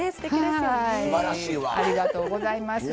ありがとうございます。